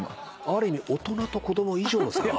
ある意味大人と子供以上の差がある？